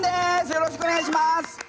よろしくお願いします！